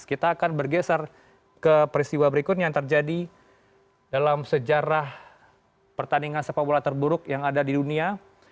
kita akan bergeser ke peristiwa berikutnya yang terjadi dalam sejarah pertandingan sepak bola terburuk yang ada di dunia